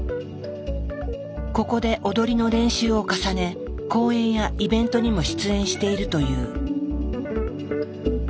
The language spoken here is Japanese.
ここで踊りの練習を重ね公演やイベントにも出演しているという。